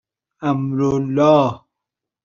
امرالله